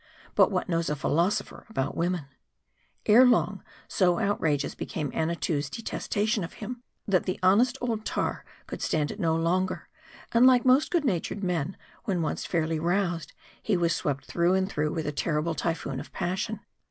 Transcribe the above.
But what knows a philosopher about women ? Ere long, so outrageous became Annatoo's detestation of him, that the honest old tar could stand it no longer, and like most good natured men when once fairly roused, he was swept through and through with a terrible typhoon of pas sion.